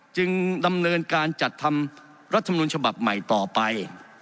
จึงดำเนินการจัดทำรัฐมนุนฉบับใหม่ต่อไป